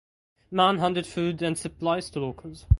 Man handed food and supplies to locals.